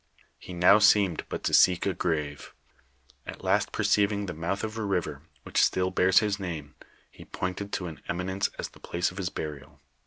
He now seemed but to seek a grave ; at last perceiving the mouth of a river which still bears his name, he pointed to an eminence as the place of his burial.